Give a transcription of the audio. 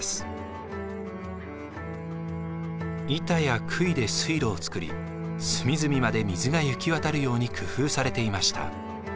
板やくいで水路を作り隅々まで水が行き渡るように工夫されていました。